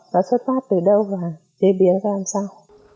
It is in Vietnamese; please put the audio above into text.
nó xuất phát từ đâu và chế biến ra làm sao